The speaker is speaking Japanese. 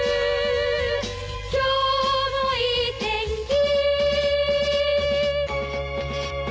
「今日もいい天気」